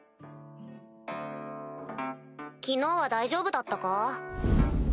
昨日は大丈夫だったか？